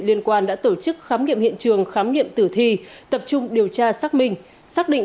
liên quan đã tổ chức khám nghiệm hiện trường khám nghiệm tử thi tập trung điều tra xác minh xác định